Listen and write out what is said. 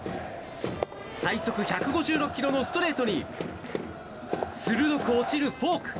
最速１５６キロのストレートに鋭く落ちるフォーク。